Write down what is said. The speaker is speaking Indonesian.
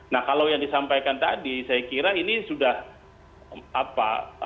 nah kalau yang disampaikan tadi saya kira ini sudah apa